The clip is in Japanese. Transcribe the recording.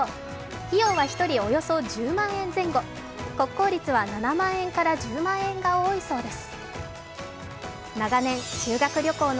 費用は１人およそ１０万円前後、国公立は７万円から１０万円が多いそうです。